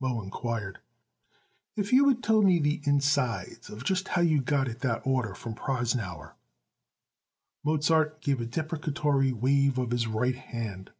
Moe inquired. "If you would tell me the insides of just how you got it that order from Prosnauer." Mozart gave a deprecatory wave of his right hand.